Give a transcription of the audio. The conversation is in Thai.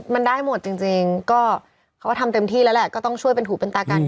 มันได้หมดจริงก็เขาก็ทำเต็มที่แล้วแหละก็ต้องช่วยเป็นหูเป็นตากัน